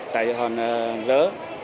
tại hòn rớ